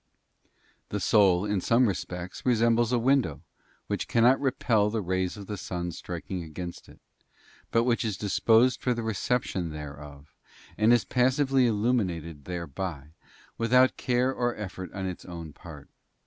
The soul in some respects resembles a window, which can not repel the rays of the sun striking against it, but which is disposed for the reception thereof, and is passively illumi nated thereby, without care or effort on its own part.